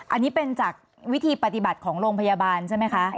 อันนี้เป็นจากวิธีปฏิบัติของโรงพยาบาลใช่ไหมคะ